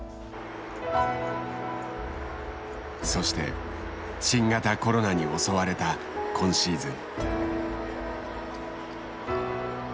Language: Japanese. そして新型コロナに襲われた今シーズン。